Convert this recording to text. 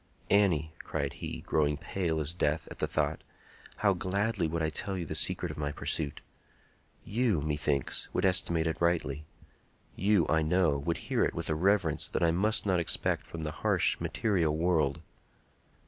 "Annie," cried he, growing pale as death at the thought, "how gladly would I tell you the secret of my pursuit! You, methinks, would estimate it rightly. You, I know, would hear it with a reverence that I must not expect from the harsh, material world."